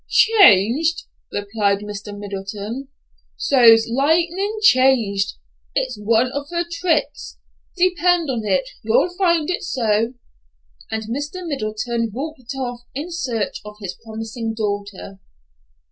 "Changed?" replied Mr. Middleton. "So's lightnin' changed! It's one of her tricks. Depend on it, you'll find it so." And Mr. Middleton walked off in search of his promising daughter.